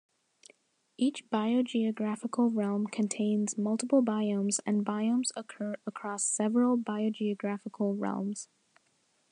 Each biogeographical realm contains multiple biomes, and biomes occur across several biogeographical realms.